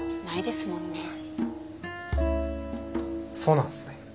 そうなんすね。